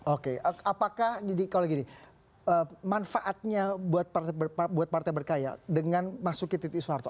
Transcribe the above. oke apakah kalau gini manfaatnya buat partai berkarya dengan masuk ke titik soeharto